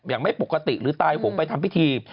ไม่ปกติหรือตายหงไปทำพิธี